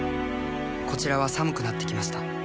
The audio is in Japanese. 「こちらは寒くなってきました」